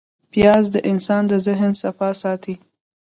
پیاز د انسان د ذهن صفا ساتي